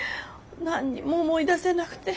何にも思い出せなくて。